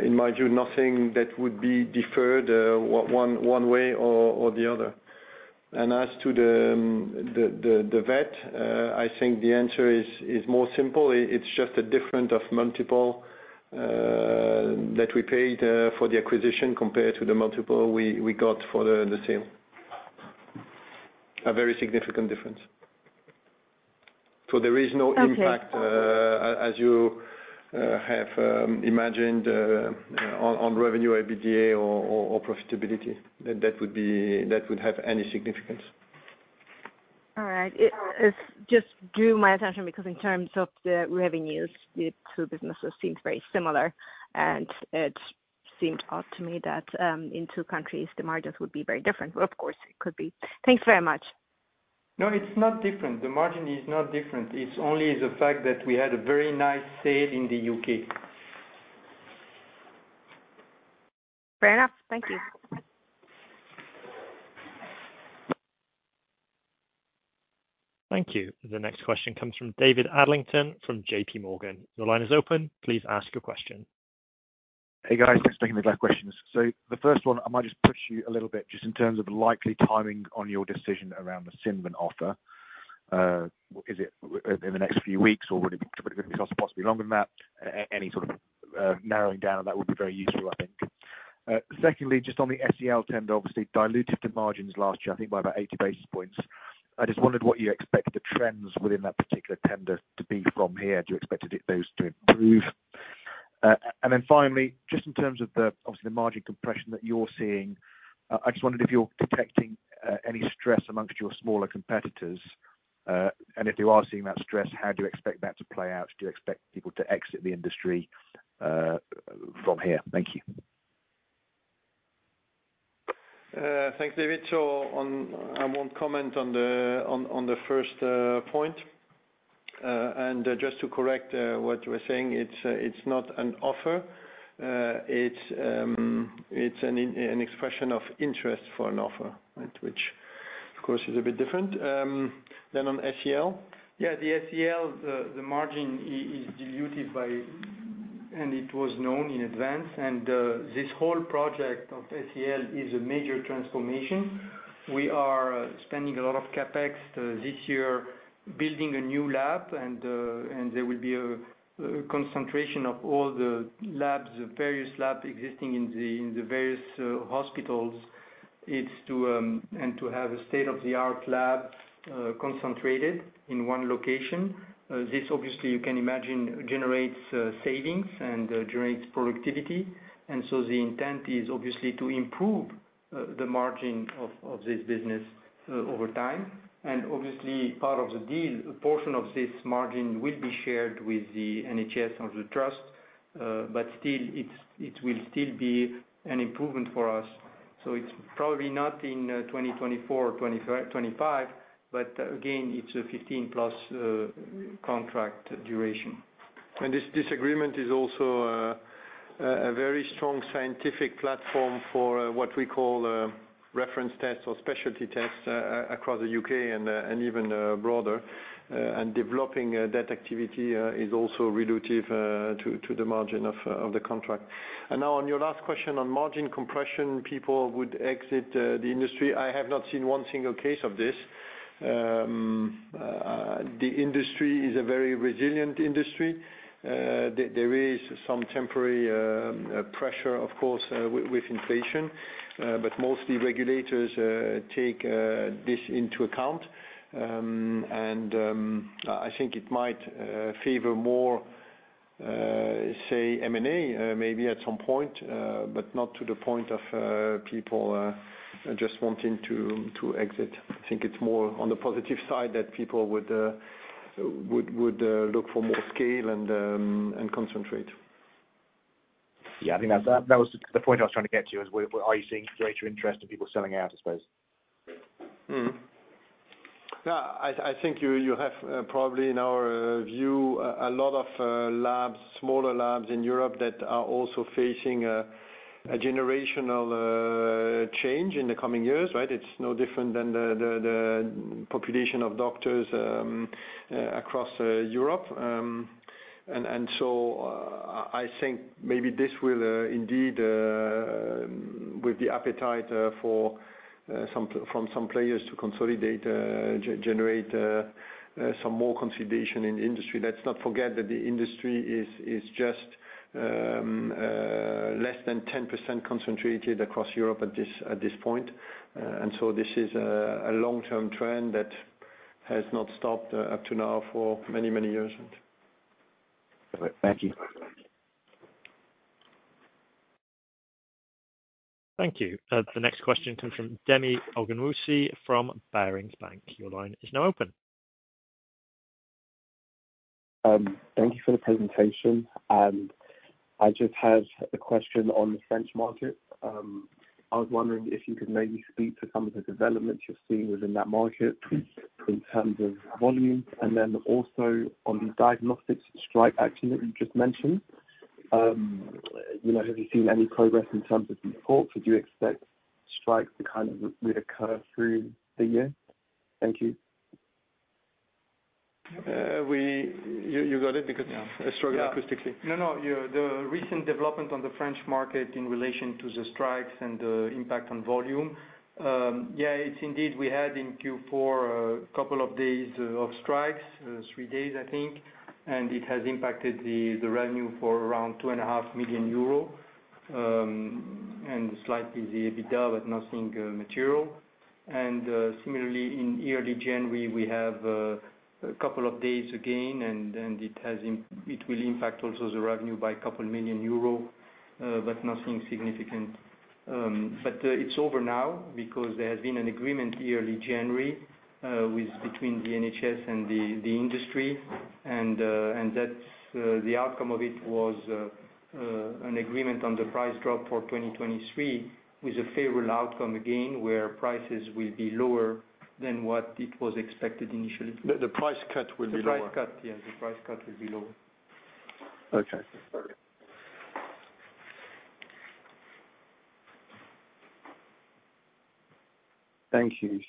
in my view nothing that would be deferred one way or the other. As to the vet, I think the answer is more simple. It's just a different of multiple that we paid for the acquisition compared to the multiple we got for the sale. A very significant difference. There is no impact. Okay. as you have imagined on revenue, EBITDA or profitability that would have any significance. All right. It just drew my attention because in terms of the revenues, the two businesses seems very similar and it seemed odd to me that, in two countries, the margins would be very different. Of course, it could be. Thanks very much. No, it's not different. The margin is not different. It's only the fact that we had a very nice sale in the U.K. Fair enough. Thank you. Thank you. The next question comes from David Adlington from JP Morgan. Your line is open. Please ask your question. Hey, guys. Thanks for taking my questions. The first one, I might just push you a little bit just in terms of the likely timing on your decision around the Cinven offer. Is it in the next few weeks, or would it be, could it be possibly longer than that? Any sort of narrowing down on that would be very useful, I think. Secondly, just on the SEL tender, obviously diluted the margins last year, I think by about 80 basis points. I just wondered what you expect the trends within that particular tender to be from here. Do you expect those to improve? Then finally, just in terms of the, obviously, the margin compression that you're seeing, I just wondered if you're detecting any stress amongst your smaller competitors. If you are seeing that stress, how do you expect that to play out? Do you expect people to exit the industry from here? Thank you. Thanks, David. I won't comment on the first point. Just to correct what you were saying, it's not an offer. It's an expression of interest for an offer, right? Which of course is a bit different. On SEL. Yeah, the SEL, the margin is diluted by, and it was known in advance. This whole project of SEL is a major transformation. We are spending a lot of CapEx this year building a new lab, and there will be a concentration of all the labs, the various lab existing in the various hospitals. It's to and to have a state-of-the-art lab concentrated in one location. This obviously, you can imagine, generates savings and generates productivity. The intent is obviously to improve the margin of this business over time. Obviously, part of the deal, a portion of this margin will be shared with the NHS or the trust, but still it will still be an improvement for us. It's probably not in 2024 or 2025, but again, it's a 15+ contract duration. This agreement is also a very strong scientific platform for what we call reference tests or specialty tests across the U.K. and even broader. Developing that activity is also relative to the margin of the contract. Now on your last question on margin compression, people would exit the industry. I have not seen one single case of this. The industry is a very resilient industry. There is some temporary pressure, of course, with inflation. Mostly regulators take this into account. I think it might favor more, say M&A maybe at some point, but not to the point of people just wanting to exit. I think it's more on the positive side that people would look for more scale and concentrate. Yeah, I think that was the point I was trying to get to, is are you seeing greater interest in people selling out, I suppose? Yeah, I think you have probably in our view, a lot of labs, smaller labs in Europe that are also facing a generational change in the coming years, right? It's no different than the population of doctors across Europe. I think maybe this will indeed, with the appetite from some players to consolidate, generate some more consolidation in the industry. Let's not forget that the industry is just less than 10% concentrated across Europe at this point. This is a long-term trend that has not stopped up to now for many, many years. Thank you. Thank you. The next question comes from Demi Ogunwusi from Barings Bank. Your line is now open. Thank you for the presentation. And I just have a question on the French market. I was wondering if you could maybe speak to some of the developments you're seeing within that market in terms of volumes, and then also on the diagnostics strike action that you just mentioned. You know, have you seen any progress in terms of the talks? Would you expect strikes to kind of reoccur through the year? Thank you. Uh, we... You got it? Because I struggle acoustically. No, no. The recent development on the French market in relation to the strikes and the impact on volume, it's indeed we had in Q4 a couple of days of strikes, three days, I think. It has impacted the revenue for around two and a half million EUR, and slightly the EBITDA, but nothing material. Similarly in early January, we have a couple of days again, it will impact also the revenue by a couple million euros, but nothing significant. It's over now because there has been an agreement early January with between the NHS and the industry. The outcome of it was an agreement on the price drop for 2023 with a favorable outcome again, where prices will be lower than what it was expected initially. The price cut will be lower. The price cut, yes. The price cut will be lower. Okay. Sorry. Thank you.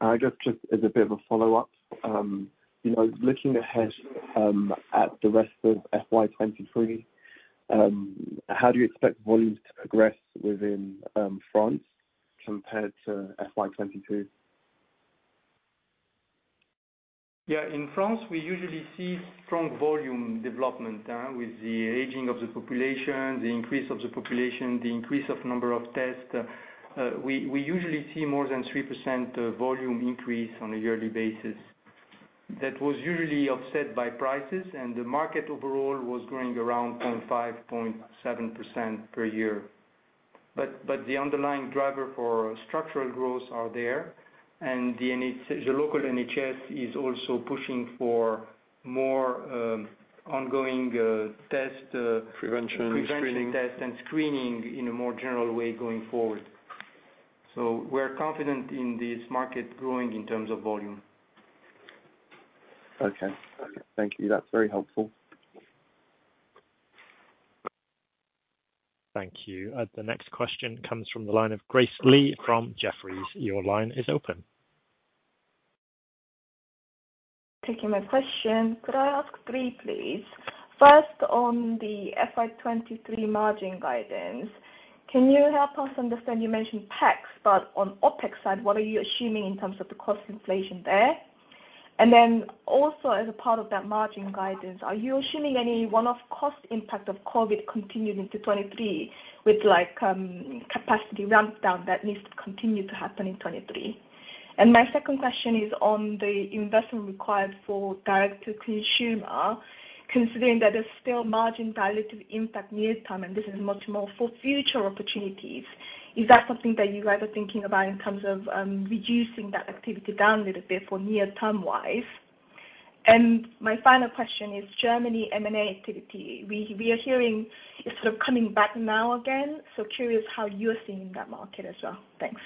I just as a bit of a follow-up, you know, looking ahead, at the rest of FY 2023, how do you expect volumes to progress within France compared to FY 2022? Yeah, in France, we usually see strong volume development, with the aging of the population, the increase of the population, the increase of number of tests. We usually see more than 3% volume increase on a yearly basis. That was usually offset by prices, and the market overall was growing around 0.5%-0.7% per year. The underlying driver for structural growth are there, and the local NHS is also pushing for more, ongoing, test. Prevention screening. Prevention tests and screening in a more general way going forward. We're confident in this market growing in terms of volume. Okay. Thank you. That's very helpful. Thank you. The next question comes from the line of Grace Li from Jefferies. Your line is open. Taking my question. Could I ask three, please? First, on the FY 2023 margin guidance, can you help us understand, you mentioned OpEx, but on OpEx side, what are you assuming in terms of the cost inflation there? Then also as a part of that margin guidance, are you assuming any one-off cost impact of COVID continuing into 2023 with capacity ramp down that needs to continue to happen in 2023? My second question is on the investment required for direct to consumer, considering that there's still margin dilutive impact near term, and this is much more for future opportunities. Is that something that you guys are thinking about in terms of reducing that activity down a little bit for near-term wise? My final question is Germany M&A activity. We are hearing it's sort of coming back now again. Curious how you're seeing that market as well. Thanks.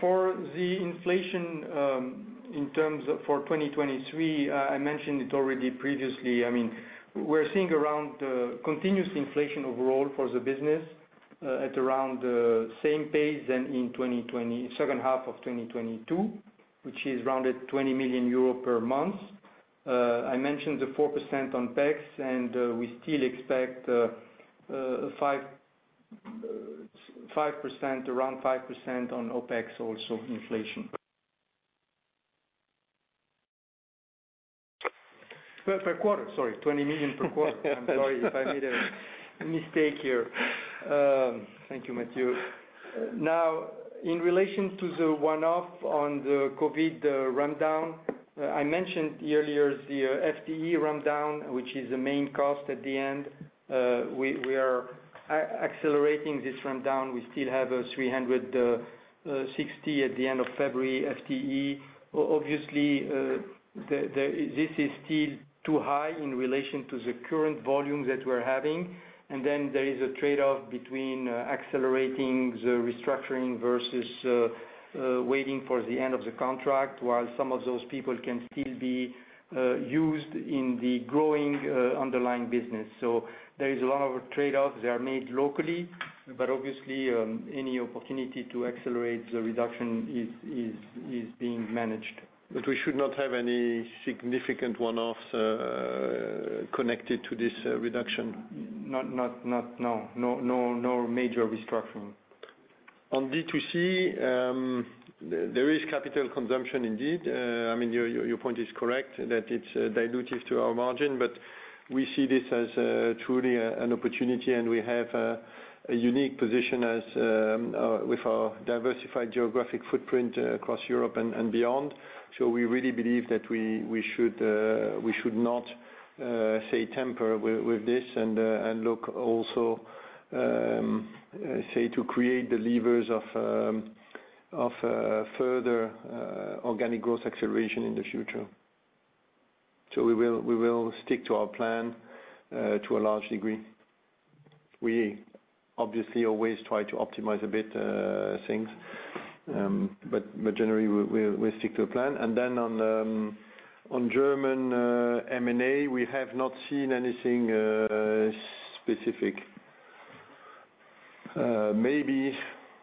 For the inflation, in terms of for 2023, I mentioned it already previously. I mean, we're seeing around continuous inflation overall for the business at around same pace than in second half of 2022, which is around at 20 million euro per month. I mentioned the 4% on OpEx, we still expect 5%, around 5% on OpEx also inflation. Per quarter, sorry. 20 million per quarter. I'm sorry if I made a mistake here. Thank you, Mathieu. In relation to the one-off on the COVID rundown, I mentioned earlier the FTE rundown, which is the main cost at the end. We are accelerating this rundown. We still have a 360 at the end of February, FTE. Obviously, this is still too high in relation to the current volume that we're having. There is a trade-off between accelerating the restructuring versus waiting for the end of the contract, while some of those people can still be used in the growing underlying business. There is a lot of trade-offs that are made locally, but obviously, any opportunity to accelerate the reduction is being managed. We should not have any significant one-offs, connected to this reduction. Not, no. No major restructuring. On D2C, there is capital consumption indeed. I mean, your point is correct that it's dilutive to our margin, but we see this as truly an opportunity, and we have a unique position as with our diversified geographic footprint across Europe and beyond. We really believe that we should not say temper with this and look also say to create the levers of further organic growth acceleration in the future. We will stick to our plan to a large degree. We obviously always try to optimize a bit things, but generally we'll stick to a plan. On German M&A, we have not seen anything specific. Maybe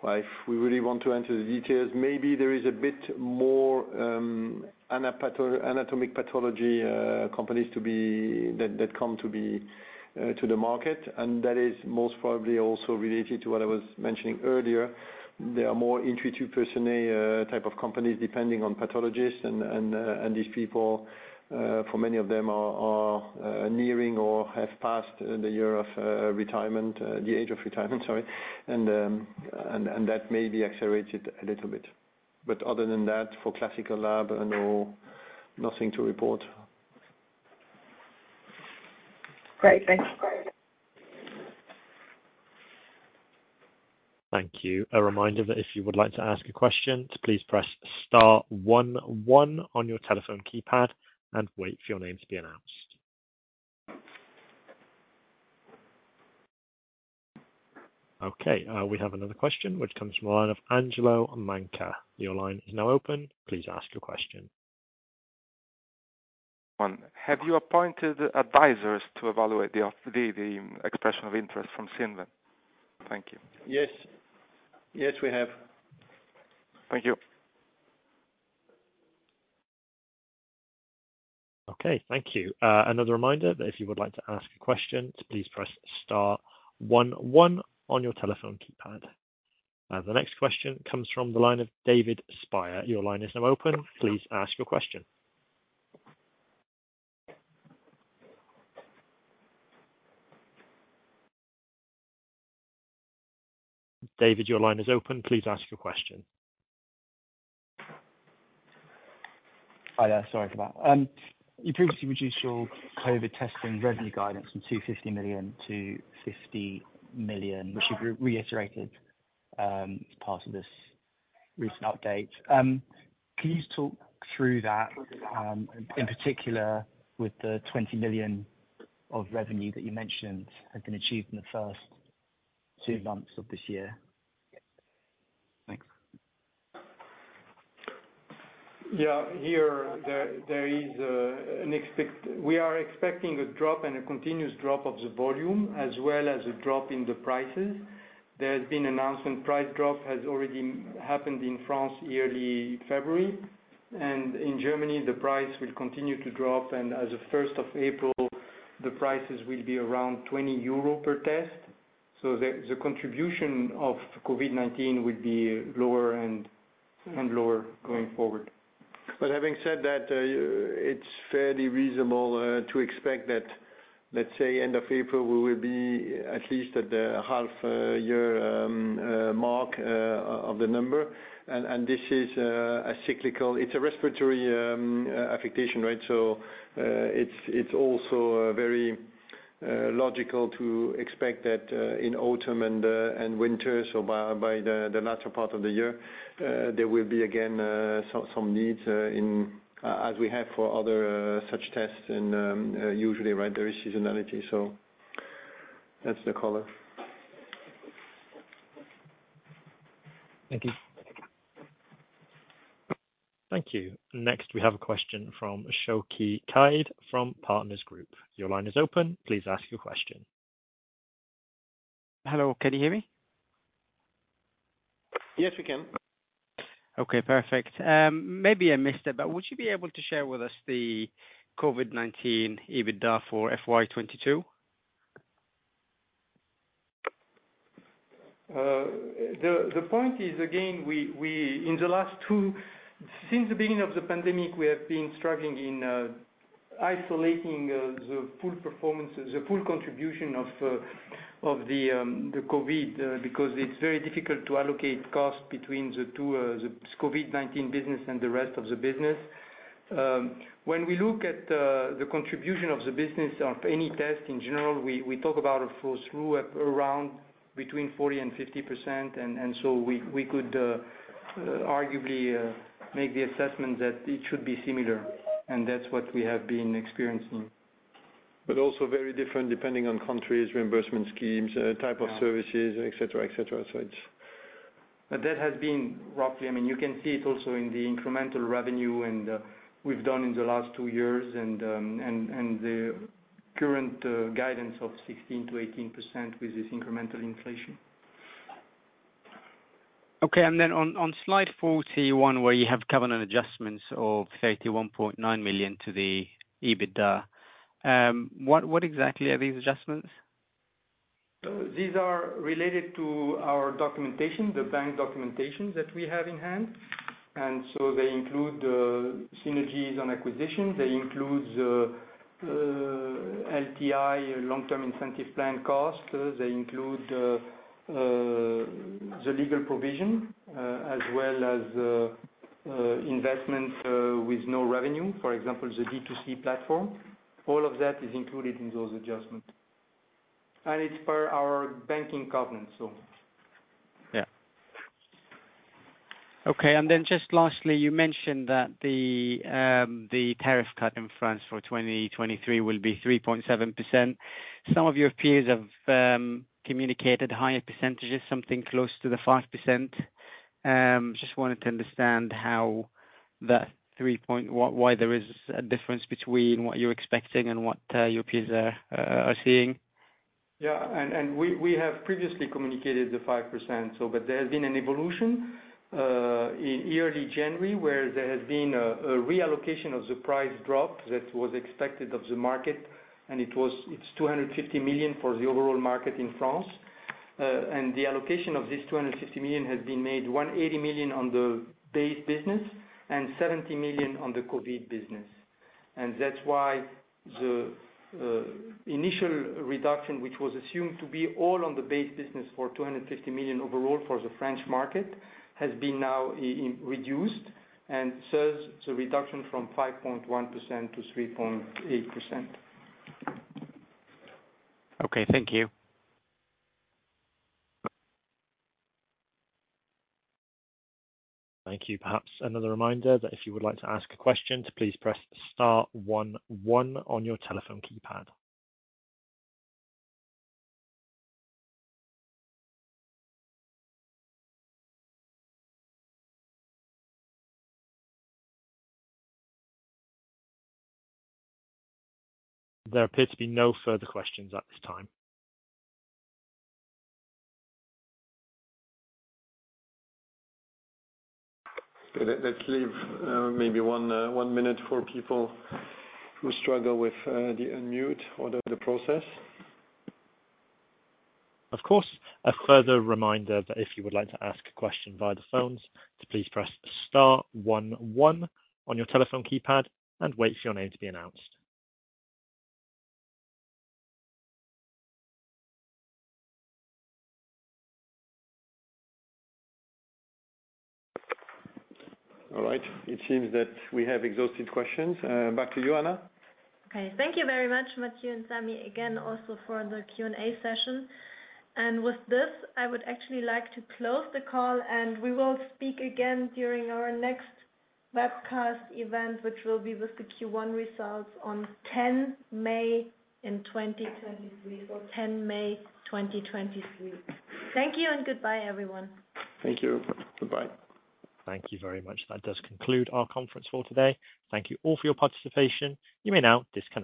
if we really want to enter the details, maybe there is a bit more anatomic pathology companies that come to be to the market, and that is most probably also related to what I was mentioning earlier. There are more entry-to-person type of companies depending on pathologists and these people, for many of them are nearing or have passed the year of retirement. The age of retirement, sorry. That may be accelerated a little bit. Other than that, for classical lab, no, nothing to report. Great. Thanks. Thank you. A reminder that if you would like to ask a question, please press star one one on your telephone keypad and wait for your name to be announced. Okay, we have another question which comes from the line of Angelo Manca. Your line is now open. Please ask your question. Have you appointed advisors to evaluate the expression of interest from Cinven? Thank you. Yes. Yes, we have. Thank you. Okay, thank you. Another reminder that if you would like to ask a question, please press star one one on your telephone keypad. The next question comes from the line of David Spire. David, your line is open. Please ask your question. Hi there. Sorry for that. You previously reduced your COVID testing revenue guidance from 250 million to 50 million, which you re-reiterated, as part of this recent update. Can you talk through that, in particular with the 20 million of revenue that you mentioned had been achieved in the first two months of this year? Thanks. Yeah. Here, there is, We are expecting a drop and a continuous drop of the volume, as well as a drop in the prices. There has been announcement price drop has already happened in France yearly February. In Germany, the price will continue to drop, and as of 1 April, the prices will be around 20 euro per test. The contribution of COVID-19 will be lower and lower going forward. Having said that, it's fairly reasonable to expect that, let's say end of April, we will be at least at the half year mark of the number. This is a cyclical... It's a respiratory affectation, right? It's also very logical to expect that in autumn and winter, so by the latter part of the year, there will be again some needs in... as we have for other such tests and usually right there is seasonality. That's the color. Thank you. Thank you. Next, we have a question from Showki Kaid from Partners Group. Your line is open. Please ask your question. Hello, can you hear me? Yes, we can. Okay, perfect. Maybe I missed it, but would you be able to share with us the COVID-19 EBITDA for FY 2022? The point is, again, Since the beginning of the pandemic, we have been struggling in isolating the full performance, the full contribution of the COVID, because it's very difficult to allocate costs between the two, the COVID-19 business and the rest of the business. When we look at the contribution of the business of any test in general, we talk about a full through-up around between 40% and 50%. We could arguably make the assessment that it should be similar, and that's what we have been experiencing. Also very different depending on countries, reimbursement schemes, type of services. Yeah. Et cetera, et cetera, so it's. That has been roughly. I mean, you can see it also in the incremental revenue and we've done in the last two years and the current guidance of 16%-18% with this incremental inflation. Okay. Then on slide 41 where you have covenant adjustments of 31.9 million to the EBITDA, what exactly are these adjustments? These are related to our documentation, the bank documentation that we have in hand. They include synergies on acquisitions. They include LTI, long-term incentive plan costs. They include the legal provision, as well as investment, with no revenue, for example, the D2C platform. All of that is included in those adjustments. It's per our banking covenant, so. Yeah. Okay. Just lastly, you mentioned that the tariff cut in France for 2023 will be 3.7%. Some of your peers have communicated higher percentages, something close to 5%. Just wanted to understand how that three point... why there is a difference between what you're expecting and what your peers are seeing? We have previously communicated the 5%. But there has been an evolution in early January, where there has been a reallocation of the price drop that was expected of the market, and it's 250 million for the overall market in France. The allocation of this 250 million has been made 180 million on the base business and 70 million on the COVID business. That's why the initial reduction, which was assumed to be all on the base business for 250 million overall for the French market, has been now reduced and thus the reduction from 5.1% to 3.8%. Okay, thank you. Thank you. Perhaps another reminder that if you would like to ask a question to please press star one one on your telephone keypad. There appears to be no further questions at this time. Let's leave, maybe one minute for people who struggle with, the unmute or the process. Of course. A further reminder that if you would like to ask a question via the phones, to please press star one one on your telephone keypad and wait for your name to be announced. All right. It seems that we have exhausted questions. Back to you, Anna. Okay. Thank you very much, Mathieu and Sami, again, also for the Q&A session. With this, I would actually like to close the call, and we will speak again during our next webcast event, which will be with the Q1 results on 10th May in 2023. 10th May, 2023. Thank you and goodbye, everyone. Thank you. Goodbye. Thank you very much. That does conclude our conference for today. Thank you all for your participation. You may now disconnect.